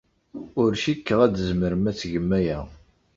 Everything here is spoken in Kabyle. Ur cikkeɣ ad tzemrem ad tgem aya.